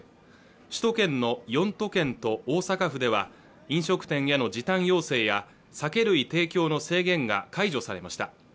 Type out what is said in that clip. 首都圏の４都県と大阪府では飲食店への時短要請や酒類提供の制限が解除されました